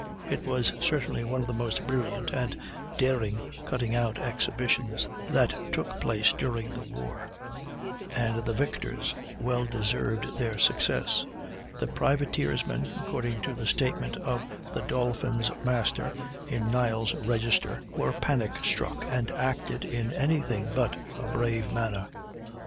It was certainly one of the most brilliant and daring cutting out expeditions that took place during the war, and the victors well deserved their success. The privateersmen (according to the statement of the Dolphin's master, in "Niles' Register") were panic struck, and acted in any thing but a brave manner.